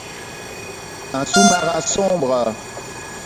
Un sous-marin sombre...